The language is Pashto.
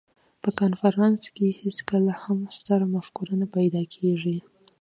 په کنفرانس کې هېڅکله هم ستره مفکوره نه پیدا کېږي.